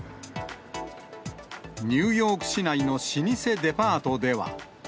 ニューヨーク市内の老舗デパートでは。